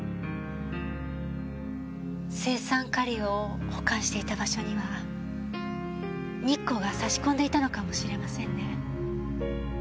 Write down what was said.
青酸カリを保管していた場所には日光が差し込んでいたのかもしれませんね。